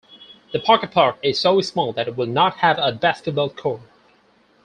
The pocket park is so small that it will not have a basketball court.